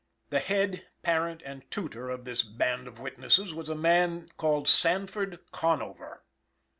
The head, parent and tutor of this band of witnesses was a man called Sanford Conover.